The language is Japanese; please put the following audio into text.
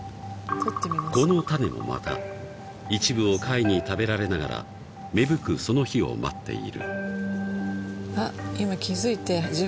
［この種もまた一部を貝に食べられながら芽吹くその日を待っている］